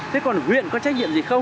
thế còn huyện có trách nhiệm gì không